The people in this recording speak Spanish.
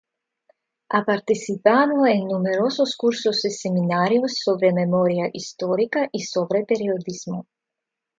Ha participado en numerosos cursos y seminarios sobre memoria histórica y sobre periodismo.